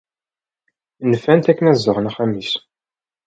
Nfan-t akken ad zedɣen axxam-is.